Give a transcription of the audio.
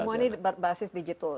semua ini berbasis digital